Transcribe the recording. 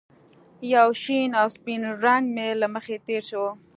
یو شین او سپین رنګ مې له مخې تېر شو